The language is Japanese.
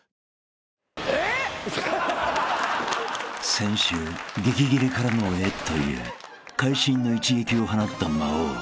［先週激ギレからの「えっ？」という会心の一撃を放った魔王］